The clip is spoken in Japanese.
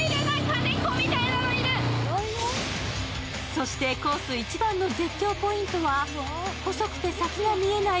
そして、コース一番の絶叫ポイントは細くて先が見えない